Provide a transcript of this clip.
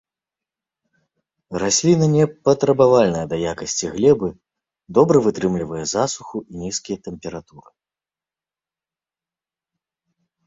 Расліна не патрабавальная да якасці глебы, добра вытрымлівае засуху і нізкія тэмпературы.